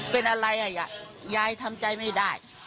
เป็นอะไรอ่ะยายทำใจไม่ได้